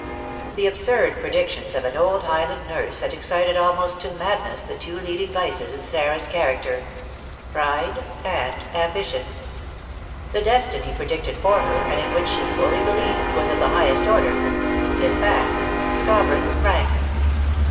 The absurd predictions of an old Highland nurse had excited almost to madness the two leading vices in Sarah's character, pride and ambition; the destiny predicted for her, and in which she fully believed, was of the highest order, in fact, sovereign rank.